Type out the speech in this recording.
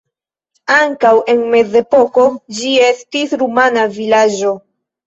Ankaŭ en mezepoko ĝi estis rumana vilaĝo.